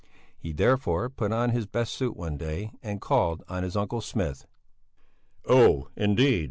He, therefore, put on his best suit one day and called on his uncle Smith. "Oh, indeed!